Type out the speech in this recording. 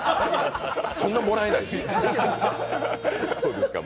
そんなもらえないし。